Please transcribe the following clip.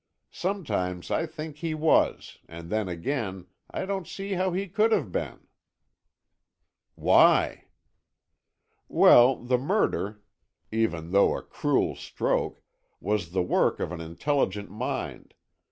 Sometimes I think he was, and then again, I don't see how he could have been." "Why?" "Well, the murder, even though a cruel stroke, was the work of an intelligent mind.